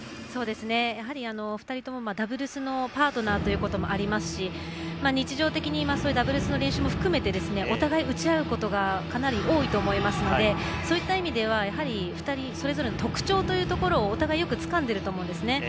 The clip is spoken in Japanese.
やはり、２人ともダブルスのパートナーということもありますし日常的にダブルスの練習も含めてお互い打ち合うことがかなり多いと思いますのでそういった意味では２人それぞれの特徴というところをお互い、よくつかんでいると思うんですね。